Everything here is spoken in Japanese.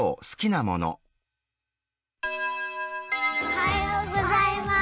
おはようございます。